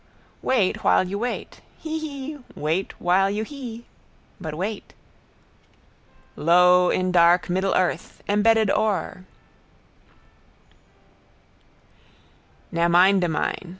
Wait while you wait. Hee hee. Wait while you hee. But wait! Low in dark middle earth. Embedded ore. Naminedamine.